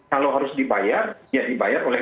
kalau harus dibayar ya dibayar oleh